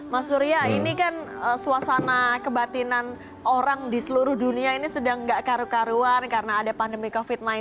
mas surya ini kan suasana kebatinan orang di seluruh dunia ini sedang tidak karu karuan karena ada pandemi covid sembilan belas